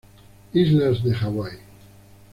Islas de Hawai.